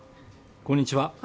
こんにちは。